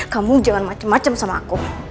kamu jangan macem macem sama aku